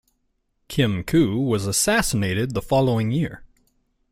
Kim Koo was assassinated the following year.